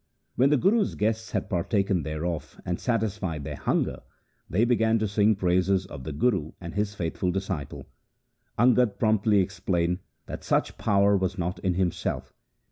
When the Guru's guests had partaken thereof and satisfied their hunger, they began to sing praises of the Guru and his faithful disciple. Angad promptly explained that such power was not in himself.